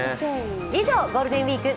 以上、ゴールデンウイーク